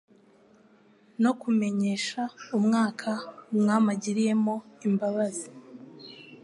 no "kumenyesha umwaka Umwami agiriyemo imbabazi'."